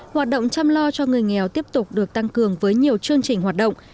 hoạt động chăm lo cho người nghèo tiếp tục được tăng cường với nhiều chương trình hoạt động